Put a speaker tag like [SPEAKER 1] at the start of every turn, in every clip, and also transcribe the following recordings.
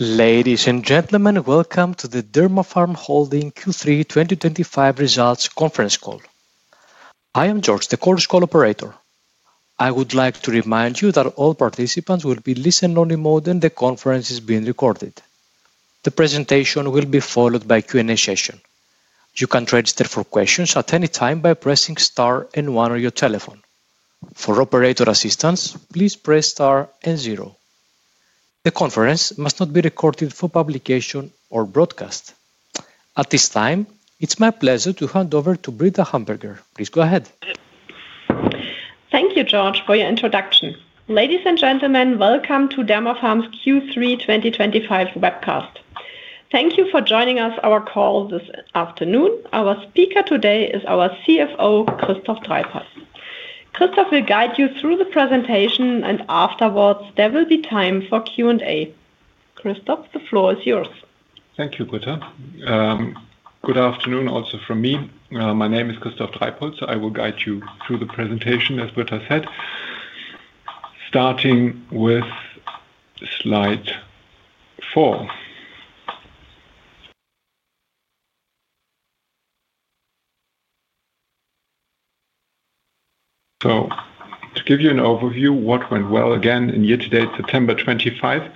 [SPEAKER 1] Ladies and gentlemen, welcome to the Dermapharm Holding Q3 2025 Results Conference Call. I am George, the call's co-operator. I would like to remind you that all participants will be listened on in mode, and the conference is being recorded. The presentation will be followed by a Q&A session. You can register for questions at any time by pressing star and one on your telephone. For operator assistance, please press star and zero. The conference must not be recorded for publication or broadcast. At this time, it's my pleasure to hand over to Britta Hamberger. Please go ahead.
[SPEAKER 2] Thank you, George, for your introduction. Ladies and gentlemen, welcome to Dermapharm's Q3 2025 Webcast. Thank you for joining us on our call this afternoon. Our speaker today is our CFO, Christoph Dreibholz. Christoph will guide you through the presentation, and afterwards, there will be time for Q&A. Christoph, the floor is yours.
[SPEAKER 3] Thank you, Britta. Good afternoon also from me. My name is Christoph Dreibholz. I will guide you through the presentation, as Britta said, starting with slide four. To give you an overview of what went well again in year to date, September 2025,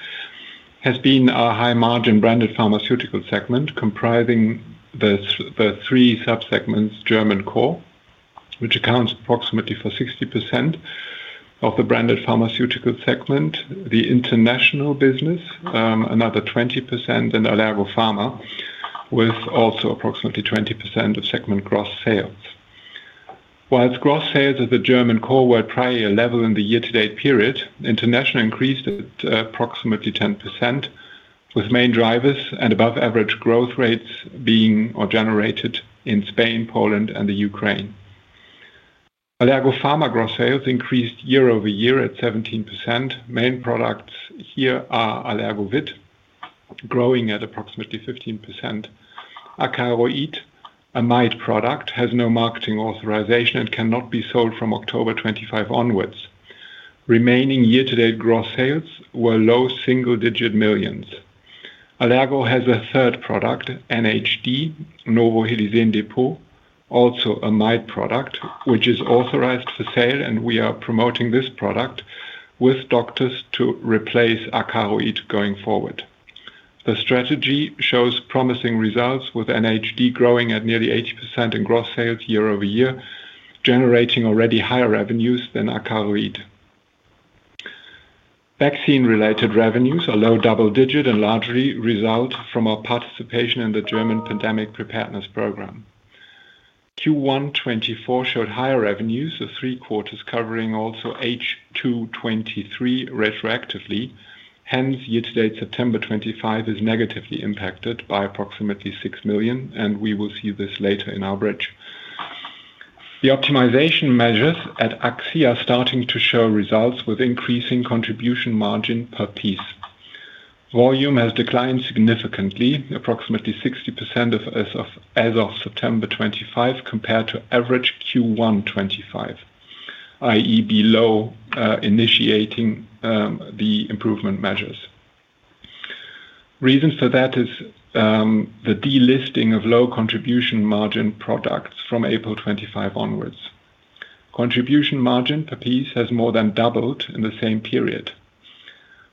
[SPEAKER 3] has been our high-margin branded pharmaceutical segment comprising the three subsegments: German core, which accounts for approximately 60% of the branded pharmaceutical segment; the international business, another 20%; and Alargo Pharma, with also approximately 20% of segment gross sales. While gross sales of the German core were at prior levels in the year-to-date period, international increased at approximately 10%, with main drivers and above-average growth rates being generated in Spain, Poland, and Ukraine. Alargo Pharma gross sales increased year over year at 17%. Main products here are Alargo Vit, growing at approximately 15%. Akaroid, a mite product, has no marketing authorization and cannot be sold from October 2025 onwards. Remaining year-to-date gross sales were low single-digit millions. Alargo has a third product, NHD, Novo Hélicine Dépôt, also a mite product, which is authorized for sale, and we are promoting this product with doctors to replace Akaroid going forward. The strategy shows promising results, with NHD growing at nearly 80% in gross sales year over year, generating already higher revenues than Akaroid. Vaccine-related revenues are low double-digit and largely result from our participation in the German pandemic preparedness program. Q1 2024 showed higher revenues, the three quarters covering also H2 2023 retroactively. Hence, year-to-date September 2025 is negatively impacted by approximately 6 million, and we will see this later in our bridge. The optimization measures at AXI are starting to show results with increasing contribution margin per piece. Volume has declined significantly, approximately 60% as of September 25, compared to average Q1 2025, i.e., below initiating the improvement measures. Reason for that is the delisting of low contribution margin products from April 2025 onwards. Contribution margin per piece has more than doubled in the same period.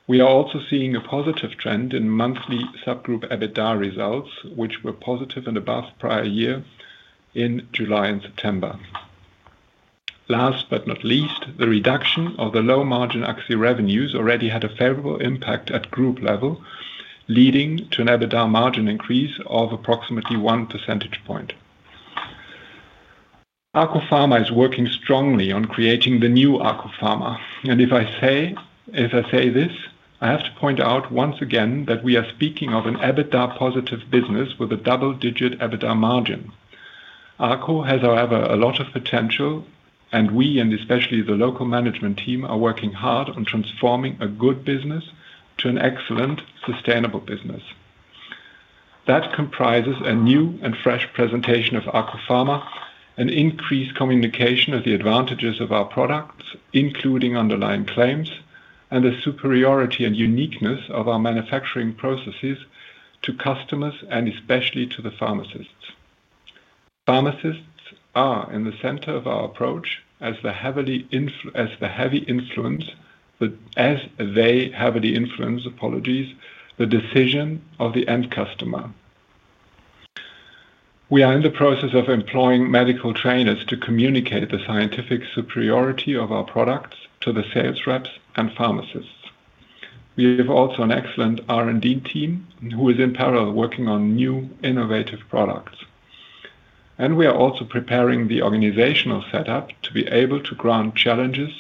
[SPEAKER 3] We are also seeing a positive trend in monthly subgroup EBITDA results, which were positive and above prior year in July and September. Last but not least, the reduction of the low-margin AXI revenues already had a favorable impact at group level, leading to an EBITDA margin increase of approximately one percentage point. ARCO Pharma is working strongly on creating the new ARCO Pharma. If I say this, I have to point out once again that we are speaking of an EBITDA-positive business with a double-digit EBITDA margin. ARCO has, however, a lot of potential, and we, and especially the local management team, are working hard on transforming a good business to an excellent, sustainable business. That comprises a new and fresh presentation of ARCO Pharma, an increased communication of the advantages of our products, including underlying claims, and the superiority and uniqueness of our manufacturing processes to customers and especially to the pharmacists. Pharmacists are in the center of our approach as they heavily influence, apologies, the decision of the end customer. We are in the process of employing medical trainers to communicate the scientific superiority of our products to the sales reps and pharmacists. We have also an excellent R&D team who is in parallel working on new innovative products. We are also preparing the organizational setup to be able to grant challenges,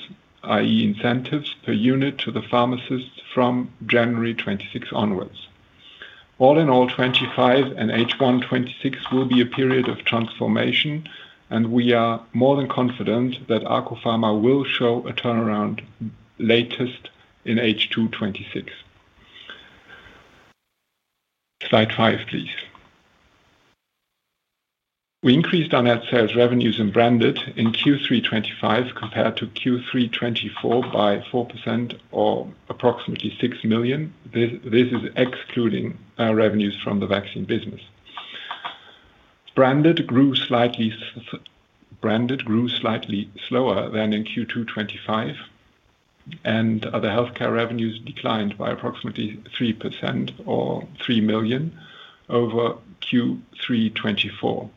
[SPEAKER 3] i.e., incentives per unit to the pharmacists from January 26 onwards. All in all, 2025 and H1 2026 will be a period of transformation, and we are more than confident that ARCO Pharma will show a turnaround latest in H2 2026. Slide five, please. We increased our net sales revenues in branded in Q3 2025 compared to Q3 2024 by 4% or approximately 6 million. This is excluding our revenues from the vaccine business. Branded grew slightly slower than in Q2 2025, and other healthcare revenues declined by approximately 3% or 3 million over Q3 2024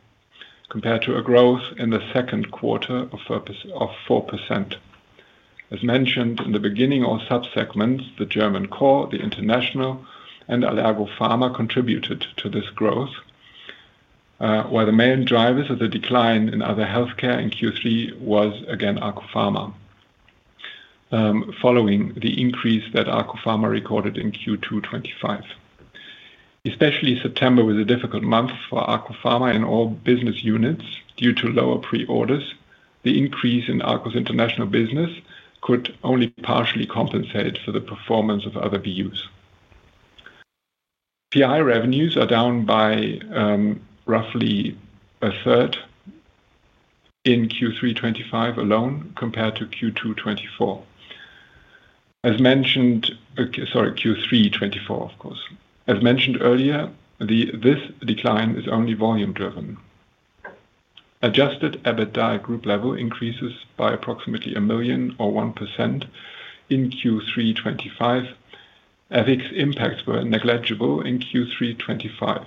[SPEAKER 3] compared to a growth in the second quarter of 4%. As mentioned in the beginning, all subsegments, the German core, the international, and Alargo Pharma contributed to this growth, where the main drivers of the decline in other healthcare in Q3 was, again, ARCO Pharma, following the increase that ARCO Pharma recorded in Q2 2025. Especially September was a difficult month for ARCO Pharma in all business units due to lower pre-orders. The increase in ARCO's international business could only partially compensate for the performance of other VUs. PI revenues are down by roughly a third in Q3 2025 alone compared to Q2 2024. As mentioned, sorry, Q3 2024, of course. As mentioned earlier, this decline is only volume-driven. Adjusted EBITDA group level increases by approximately 1 million or 1% in Q3 2025. Ethics impacts were negligible in Q3 2025.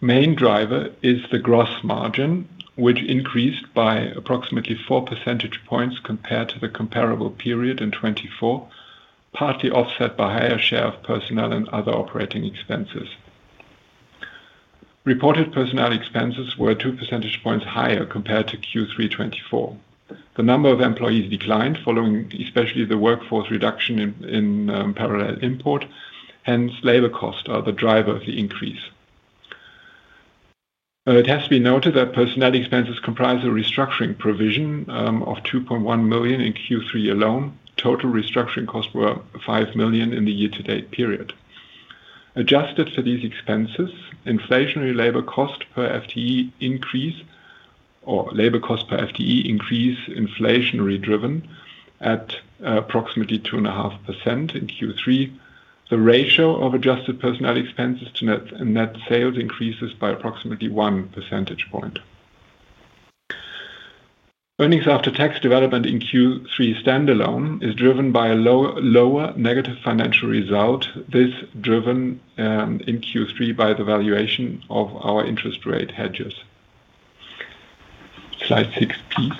[SPEAKER 3] Main driver is the gross margin, which increased by approximately 4 percentage points compared to the comparable period in 2024, partly offset by higher share of personnel and other operating expenses. Reported personnel expenses were 2 percentage points higher compared to Q3 2024. The number of employees declined, following especially the workforce reduction in parallel import. Hence, labor costs are the driver of the increase. It has to be noted that personnel expenses comprise a restructuring provision of 2.1 million in Q3 alone. Total restructuring costs were 5 million in the year-to-date period. Adjusted for these expenses, inflationary labor cost per FTE increase, or labor cost per FTE increase, inflationary driven at approximately 2.5% in Q3. The ratio of adjusted personnel expenses to net sales increases by approximately 1 percentage point. Earnings after tax development in Q3 standalone is driven by a lower negative financial result, this driven in Q3 by the valuation of our interest rate hedges. Slide six please.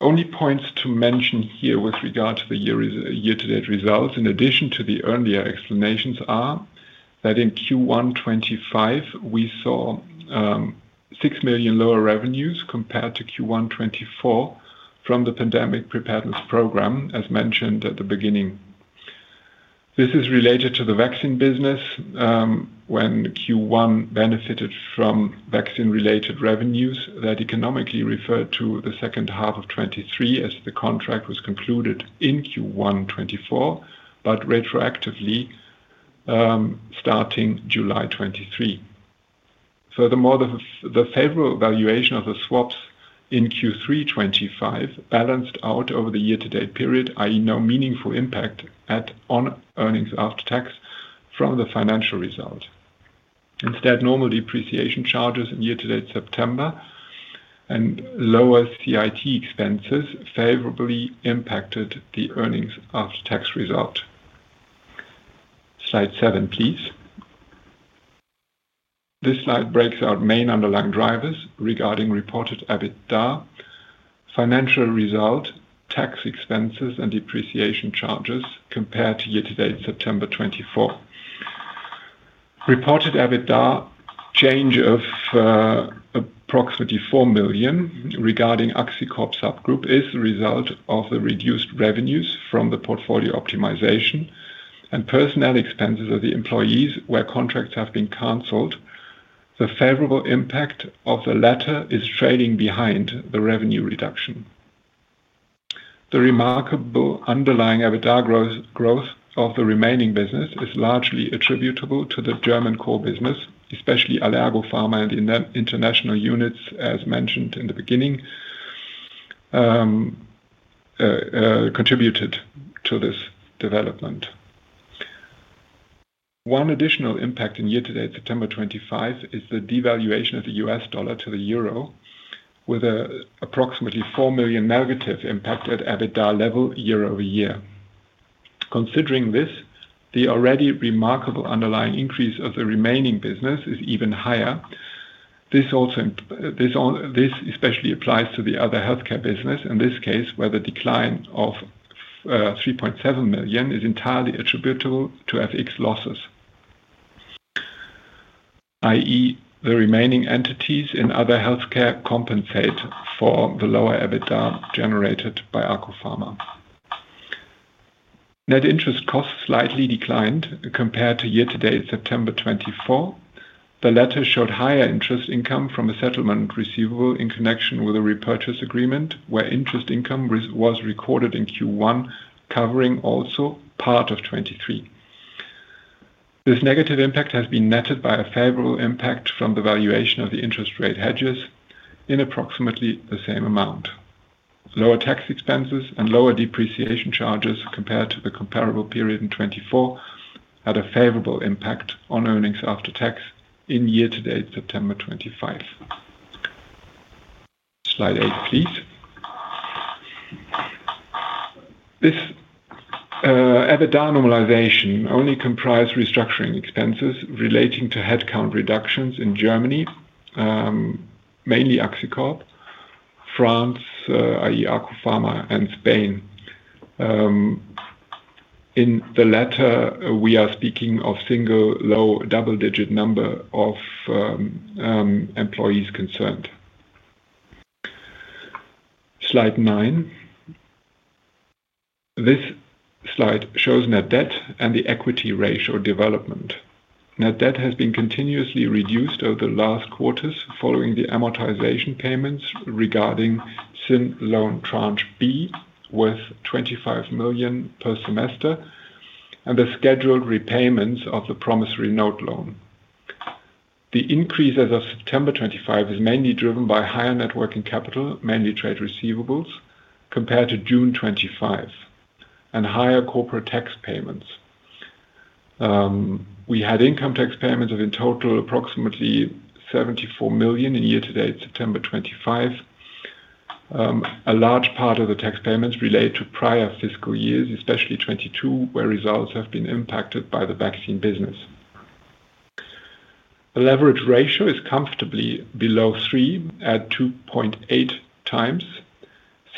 [SPEAKER 3] Only points to mention here with regard to the year-to-date results, in addition to the earlier explanations, are that in Q1 2025, we saw 6 million lower revenues compared to Q1 2024 from the pandemic preparedness program, as mentioned at the beginning. This is related to the vaccine business when Q1 benefited from vaccine-related revenues that economically referred to the second half of 2023 as the contract was concluded in Q1 2024, but retroactively starting July 2023. Furthermore, the favorable valuation of the swaps in Q3 2025 balanced out over the year-to-date period, i.e., no meaningful impact on earnings after tax from the financial result. Instead, normal depreciation charges in year-to-date September and lower CIT expenses favorably impacted the earnings after tax result. Slide seven please. This slide breaks out main underlying drivers regarding reported EBITDA, financial result, tax expenses, and depreciation charges compared to year-to-date September 2024. Reported EBITDA change of approximately 4 million regarding AXI Corp subgroup is the result of the reduced revenues from the portfolio optimization and personnel expenses of the employees where contracts have been canceled. The favorable impact of the latter is trailing behind the revenue reduction. The remarkable underlying EBITDA growth of the remaining business is largely attributable to the German core business, especially Alargo Pharma and international units, as mentioned in the beginning, contributed to this development. One additional impact in year-to-date September 2025 is the devaluation of the US dollar to the euro, with an approximately 4 million negative impact at EBITDA level year over year. Considering this, the already remarkable underlying increase of the remaining business is even higher. This especially applies to the other healthcare business, in this case, where the decline of 3.7 million is entirely attributable to ethics losses, i.e., the remaining entities in other healthcare compensate for the lower EBITDA generated by ARCO Pharma. Net interest costs slightly declined compared to year-to-date September 2024. The latter showed higher interest income from a settlement receivable in connection with a repurchase agreement, where interest income was recorded in Q1, covering also part of 2023. This negative impact has been netted by a favorable impact from the valuation of the interest rate hedges in approximately the same amount. Lower tax expenses and lower depreciation charges compared to the comparable period in 2024 had a favorable impact on earnings after tax in year-to-date September 2025. Slide eight please. This EBITDA normalization only comprised restructuring expenses relating to headcount reductions in Germany, mainly AXI Corp, France, i.e., ARCO Pharma, and Spain. In the latter, we are speaking of single low double-digit number of employees concerned. Slide nine. This slide shows net debt and the equity ratio development. Net debt has been continuously reduced over the last quarters following the amortization payments regarding SIN loan tranche B with 25 million per semester and the scheduled repayments of the promissory note loan. The increase as of September 2025 is mainly driven by higher working capital, mainly trade receivables, compared to June 2025, and higher corporate tax payments. We had income tax payments of in total approximately 74 million in year-to-date September 2025. A large part of the tax payments relate to prior fiscal years, especially 2022, where results have been impacted by the vaccine business. The leverage ratio is comfortably below three at 2.8 times,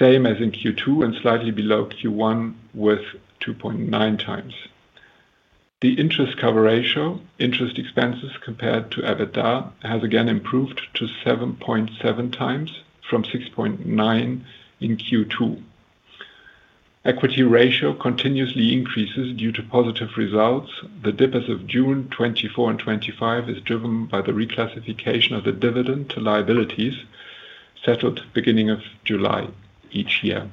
[SPEAKER 3] same as in Q2 and slightly below Q1 with 2.9 times. The interest cover ratio, interest expenses compared to EBITDA, has again improved to 7.7 times from 6.9 in Q2. Equity ratio continuously increases due to positive results. The dip as of June 24 and 25 is driven by the reclassification of the dividend to liabilities settled beginning of July each year.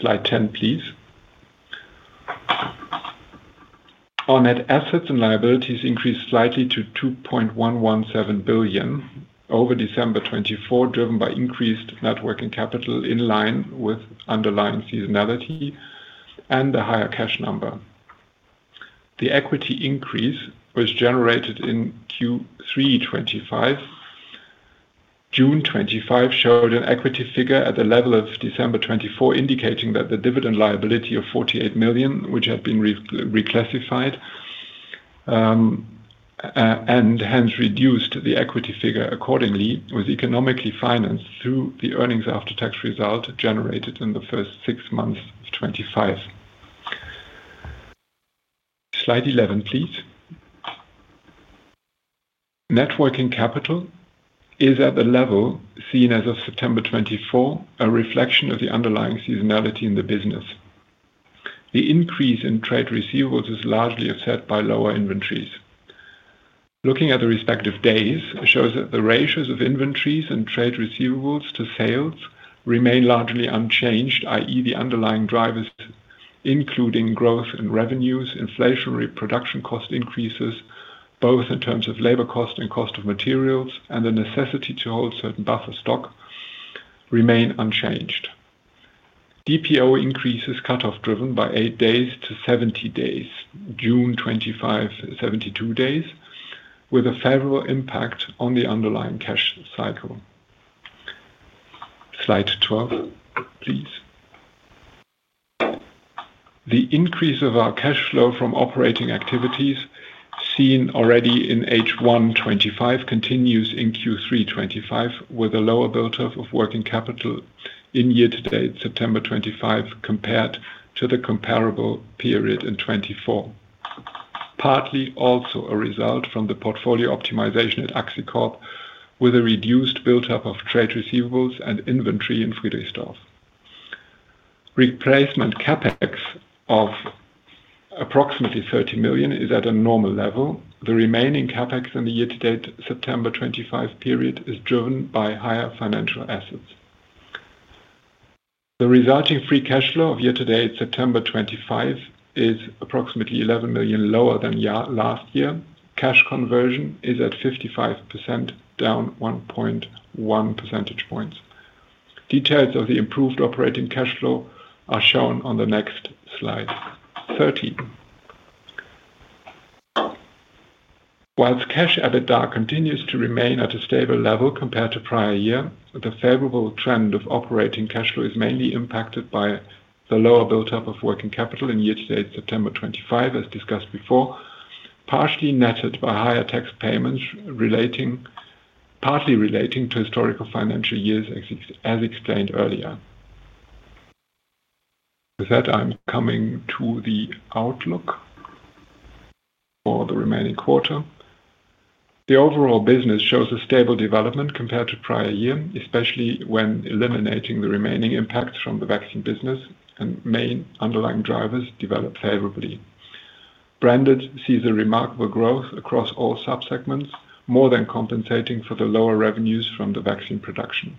[SPEAKER 3] Slide 10 please. Our net assets and liabilities increased slightly to 2.117 billion over December 2024, driven by increased working capital in line with underlying seasonality and the higher cash number. The equity increase was generated in Q3 2025. June 25 showed an equity figure at the level of December 2024, indicating that the dividend liability of 48 million, which had been reclassified and hence reduced the equity figure accordingly, was economically financed through the earnings after tax result generated in the first six months of 2025. Slide 11 please. Networking capital is at the level seen as of September 2024, a reflection of the underlying seasonality in the business. The increase in trade receivables is largely offset by lower inventories. Looking at the respective days shows that the ratios of inventories and trade receivables to sales remain largely unchanged, i.e., the underlying drivers including growth in revenues, inflationary production cost increases, both in terms of labor cost and cost of materials, and the necessity to hold certain buffer stock remain unchanged. DPO increases cut-off driven by eight days to 70 days, June 2025, 72 days, with a favorable impact on the underlying cash cycle. Slide 12 please. The increase of our cash flow from operating activities seen already in H1 2025 continues in Q3 2025 with a lower buildup of working capital in year-to-date September 2025 compared to the comparable period in 2024, partly also a result from the portfolio optimization at AXI Corp with a reduced buildup of trade receivables and inventory in Friedrichsdorf. Replacement CapEx of approximately 30 million is at a normal level. The remaining CapEx in the year-to-date September 2025 period is driven by higher financial assets. The resulting free cash flow of year-to-date September 2025 is approximately 11 million lower than last year. Cash conversion is at 55%, down 1.1 percentage points. Details of the improved operating cash flow are shown on the next slide. 13. Whilst cash EBITDA continues to remain at a stable level compared to prior year, the favorable trend of operating cash flow is mainly impacted by the lower buildup of working capital in year-to-date September 2025, as discussed before, partially netted by higher tax payments partly relating to historical financial years, as explained earlier. With that, I'm coming to the outlook for the remaining quarter. The overall business shows a stable development compared to prior year, especially when eliminating the remaining impacts from the vaccine business and main underlying drivers develop favorably. Branded sees a remarkable growth across all subsegments, more than compensating for the lower revenues from the vaccine production.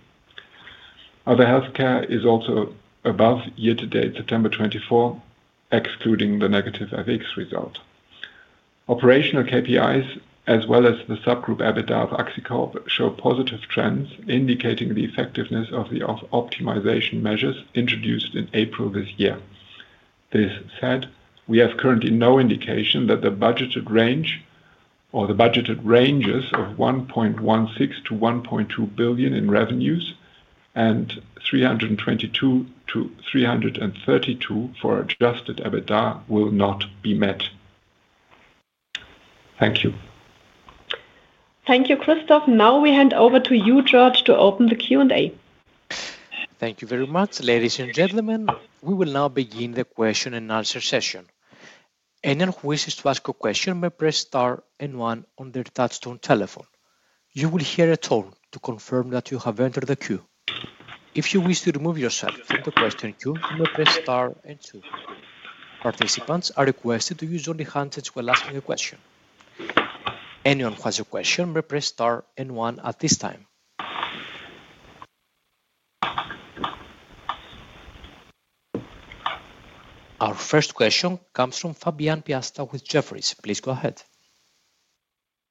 [SPEAKER 3] Other healthcare is also above year-to-date September 2024, excluding the negative ethics result. Operational KPIs, as well as the subgroup EBITDA of AXI Corp, show positive trends indicating the effectiveness of the optimization measures introduced in April this year. This said, we have currently no indication that the budgeted range or the budgeted ranges of 1.16 billion-1.2 billion in revenues and 322 million-332 million for adjusted EBITDA will not be met. Thank you.
[SPEAKER 2] Thank you, Christoph. Now we hand over to you, Gerard, to open the Q&A.
[SPEAKER 1] Thank you very much, ladies and gentlemen. We will now begin the question and answer session. Anyone who wishes to ask a question may press star and one on the touchstone telephone. You will hear a tone to confirm that you have entered the queue. If you wish to remove yourself from the question queue, you may press star and two. Participants are requested to use only handsets while asking a question. Anyone who has a question may press star and one at this time. Our first question comes from Fabian Piasta with Jefferies. Please go ahead.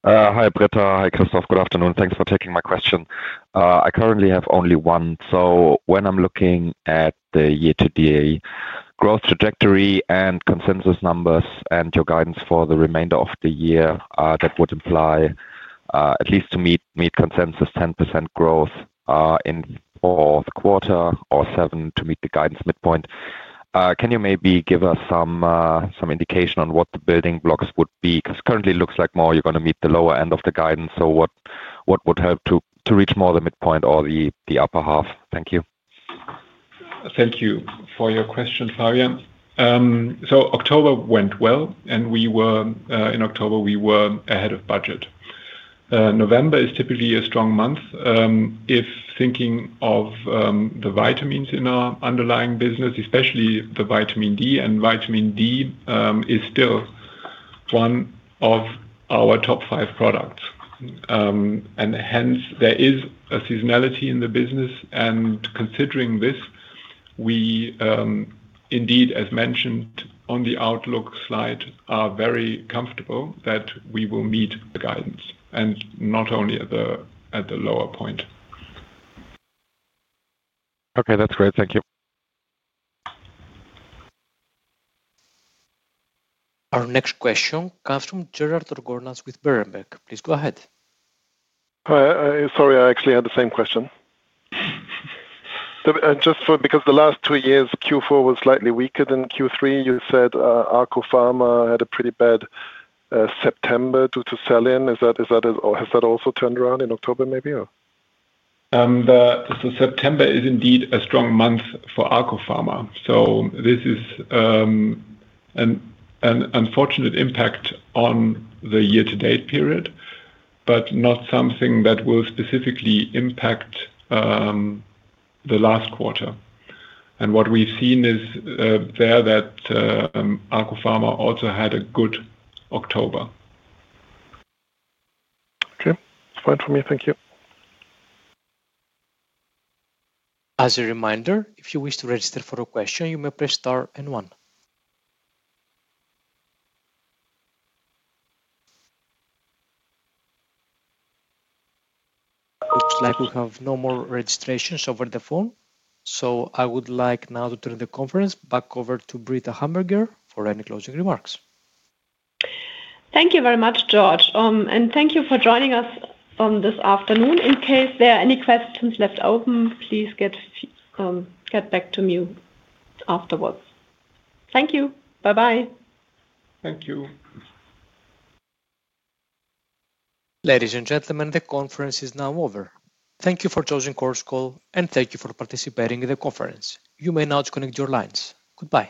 [SPEAKER 1] Hi Britta, hi Christoph.
[SPEAKER 4] Good afternoon. Thanks for taking my question. I currently have only one. When I'm looking at the year-to-date growth trajectory and consensus numbers and your guidance for the remainder of the year, that would imply at least to meet consensus 10% growth in fourth quarter or 7% to meet the guidance midpoint. Can you maybe give us some indication on what the building blocks would be? Because currently it looks like more you're going to meet the lower end of the guidance. What would help to reach more the midpoint or the upper half? Thank you.
[SPEAKER 3] Thank you for your question, Fabian. October went well, and in October, we were ahead of budget. November is typically a strong month. If thinking of the vitamins in our underlying business, especially the vitamin D, and vitamin D is still one of our top five products. There is a seasonality in the business. Considering this, we indeed, as mentioned on the outlook slide, are very comfortable that we will meet the guidance and not only at the lower point.
[SPEAKER 4] Okay, that's great. Thank you.
[SPEAKER 1] Our next question comes from Gerard Deutsch with Berenberg. Please go ahead.
[SPEAKER 5] Sorry, I actually had the same question. Just because the last two years, Q4 was slightly weaker than Q3, you said ARCO Pharma had a pretty bad September due to sell in. Has that also turned around in October maybe?
[SPEAKER 3] September is indeed a strong month for ARCO Pharma. This is an unfortunate impact on the year-to-date period, but not something that will specifically impact the last quarter. What we've seen is that ARCO Pharma also had a good October.
[SPEAKER 5] Okay, fine for me. Thank you.
[SPEAKER 1] As a reminder, if you wish to register for a question, you may press star and one. Looks like we have no more registrations over the phone. I would like now to turn the conference back over to Britta Hamberger for any closing remarks.
[SPEAKER 2] Thank you very much, George. Thank you for joining us this afternoon. In case there are any questions left open, please get back to me afterwards. Thank you. Bye-bye.
[SPEAKER 3] Thank you.
[SPEAKER 1] Ladies and gentlemen, the conference is now over. Thank you for choosing CorseCall, and thank you for participating in the conference. You may now disconnect your lines. Goodbye.